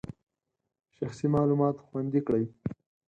شخصي معلومات خوندي کړئ.